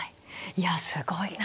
いやすごいな。